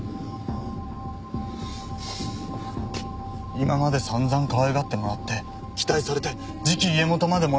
今まで散々かわいがってもらって期待されて次期家元までもらっておいて